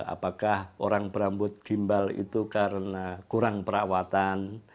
apakah orang berambut gimbal itu karena kurang perawatan